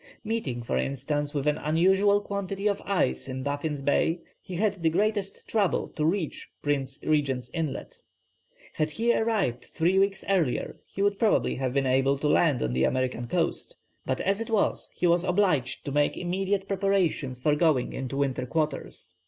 Meeting, for instance, with an unusual quantity of ice in Baffin's Bay, he had the greatest trouble to reach Prince Regent's inlet. Had he arrived three weeks earlier he would probably have been able to land on the American coast, but as it was he was obliged to make immediate preparations for going into winter quarters.